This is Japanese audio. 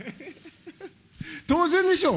当然でしょう。